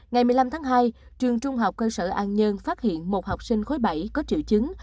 ngày một mươi năm tháng hai trường trung học cơ sở an nhơn phát hiện một học sinh khối bảy có triệu chứng